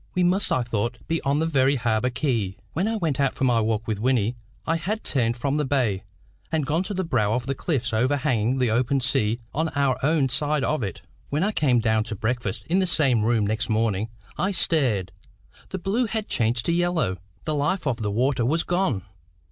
We must, I thought, be on the very harbour quay. When I went out for my walk with Wynnie, I had turned from the bay, and gone to the brow of the cliffs overhanging the open sea on our own side of it. When I came down to breakfast in the same room next morning, I stared. The blue had changed to yellow. The life of the water was gone.